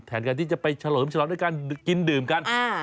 แทนการที่จะไปเฉลิมฉลองด้วยการกินดื่มกัน